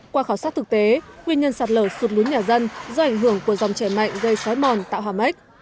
qua khảo sát thực tế nguyên nhân sạt lở sụt lún nhà dân do ảnh hưởng của dòng chảy mạnh gây xói mòn tạo hòa mách